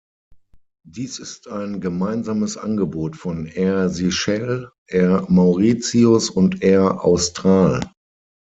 Dies ist ein gemeinsames Angebot von Air Seychelles, Air Mauritius und Air Austral.